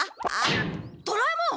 ドラえもん！